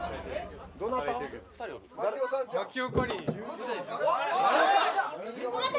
どなた？